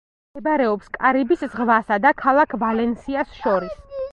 მდებარეობს კარიბის ზღვასა და ქალაქ ვალენსიას შორის.